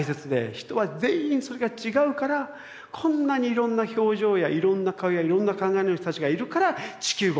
人は全員それが違うからこんなにいろんな表情やいろんな顔やいろんな考えの人たちがいるから地球が面白くて。